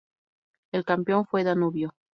El campeón fue Danubio.